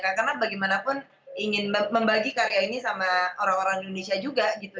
karena bagaimanapun ingin membagi karya ini sama orang orang indonesia juga gitu